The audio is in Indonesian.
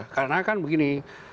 karena kan begini